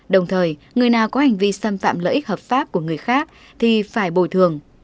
đồng thời người nào có hành vi xâm phạm lợi ích hợp pháp của người khác thì phải bồi thường